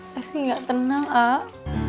pasti gak tenang ah